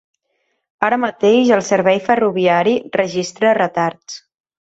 Ara mateix el servei ferroviari registra retards.